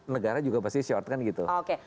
negara juga pasti short kan gitu